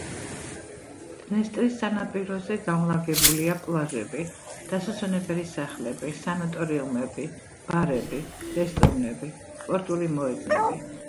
დნესტრის სანაპიროზე განლაგებულია პლაჟები, დასასვენებელი სახლები, სანატორიუმები, ბარები, რესტორნები, სპორტული მოედნები.